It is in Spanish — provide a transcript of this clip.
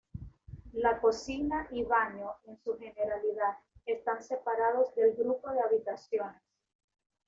La cocina y baño en su generalidad están separados del grupo de habitaciones.